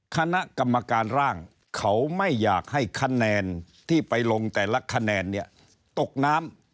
คณะกรรมการร่างเขาไม่อยากให้คะแนนที่ไปลงแต่ละคะแนนเนี่ยตกน้ำ